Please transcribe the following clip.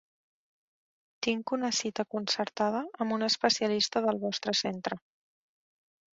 Tinc una cita concertada amb un especialista del vostre centre.